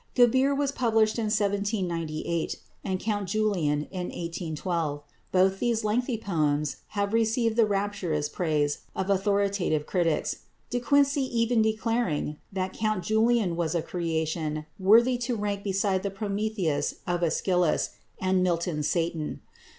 "Gebir" was published in 1798 and "Count Julian" in 1812. Both these lengthy poems have received the rapturous praise of authoritative critics, De Quincey even declaring that Count Julian was a creation worthy to rank beside the Prometheus of Æschylus and Milton's Satan.